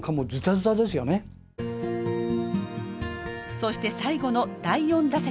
そして最後の第４打席。